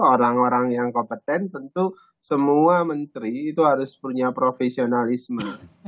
orang orang yang kompeten tentu semua menteri itu harus punya profesionalisme